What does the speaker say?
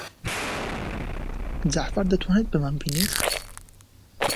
جەعفەر دەتوانێت بمانبینێت؟